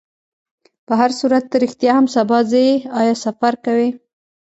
په هرصورت، ته رښتیا هم سبا ځې؟ آیا سفر کوې؟